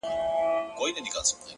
• زه به په هغه ورځ ,